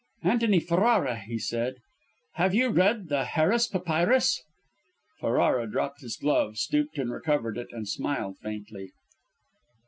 "Antony Ferrara," he said, "have you read the Harris Papyrus?" Ferrara dropped his glove, stooped and recovered it, and smiled faintly.